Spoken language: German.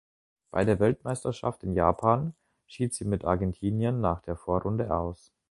Bei der Weltmeisterschaft in Japan schied sie mit Argentinien nach der Vorrunde aus.